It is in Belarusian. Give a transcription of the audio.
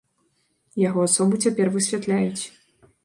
Яго асобу цяпер высвятляюць.